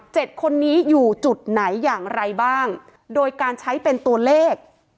คนนี้อยู่จุดไหนอย่างไรบ้างโดยการใช้เป็นตัวเลข